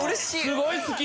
すごい好き！